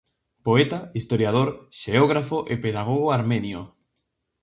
Poeta, historiador, xeógrafo e pedagogo armenio.